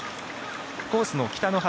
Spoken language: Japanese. コースの北の端